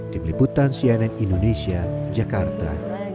tim liputan cnn indonesia jakarta